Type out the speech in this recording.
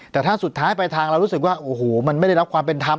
แต่ถ้าสุดท้ายไปทางเรารู้สึกว่าโอ้โหมันไม่ได้รับความเป็นธรรม